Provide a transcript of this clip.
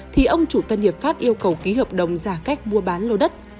thì ông chủ tân hiệp pháp yêu cầu ký hợp đồng giả cách mua bán lô đất